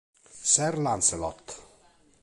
Sir Lancelot